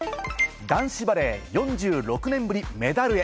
男子バレー、４６年ぶりメダルへ。